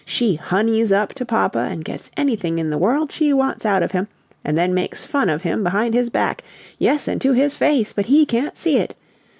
She honeys up to papa and gets anything in the world she wants out of him, and then makes fun of him behind his back yes, and to his face, but HE can't see it!